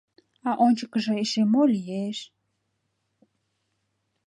А ончыкыжо эше мо лиеш?